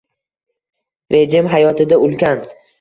- rejim hayotida ulkan